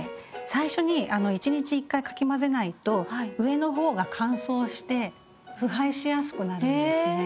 最初に１日１回かき混ぜないと上の方が乾燥して腐敗しやすくなるんですね。